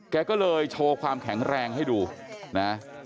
แกก็เลยโชว์ความแข็งแรงให้ดูนะ